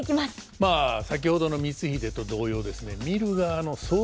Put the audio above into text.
まあ先ほどの光秀と同様ですね